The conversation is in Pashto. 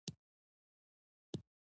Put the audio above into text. ور وې قلم د خامار په نامه کېښود.